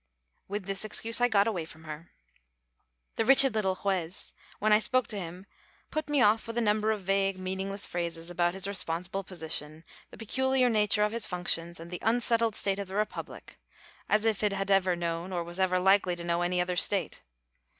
With this excuse I got away from her. The wretched little Juez, when I spoke to him, put me off with a number of vague, meaningless phrases about his responsible position, the peculiar nature of his functions, and the unsettled state of the republic as if it had ever known or was ever likely to know any other state!